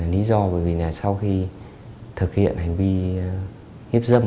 lý do là sau khi thực hiện hành vi hiếp dâm